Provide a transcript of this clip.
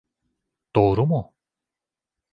Doğru mu?